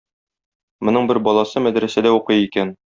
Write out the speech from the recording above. Моның бер баласы мәдрәсәдә укый икән.